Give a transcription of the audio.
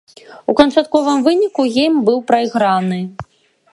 У канчатковым выніку гейм быў прайграны.